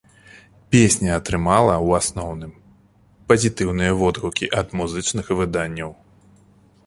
Песня атрымала, у асноўным, пазітыўныя водгукі ад музычных выданняў.